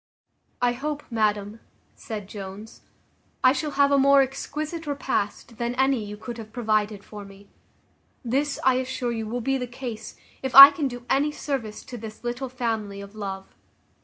"I hope, madam," said Jones, "I shall have a more exquisite repast than any you could have provided for me. This, I assure you, will be the case, if I can do any service to this little family of love.